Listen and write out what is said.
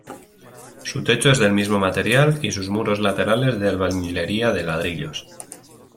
Su techo es del mismo material, y sus muros laterales de albañilería de ladrillos.